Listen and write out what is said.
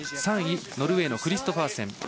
３位、ノルウェーのクリストファーセン。